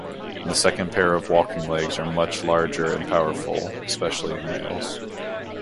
The second pair of walking legs are much larger and powerful, especially in males.